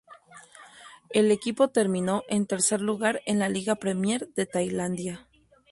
El equipo terminó en tercer lugar en la Liga Premier de Tailandia.